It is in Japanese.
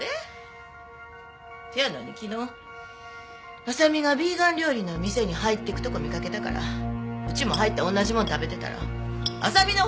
せやのに昨日麻未がビーガン料理の店に入って行くとこ見かけたからうちも入って同じもん食べてたら麻未のほうから話しかけてきてん。